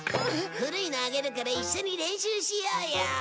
古いのあげるから一緒に練習しようよ。